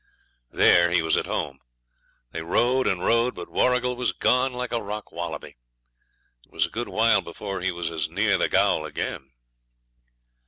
There he was at home. They rode and rode, but Warrigal was gone like a rock wallaby. It was a good while before he was as near the gaol again.